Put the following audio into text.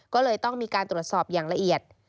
ก็เลยต้องมีการตรวจสอบอย่างละเอียด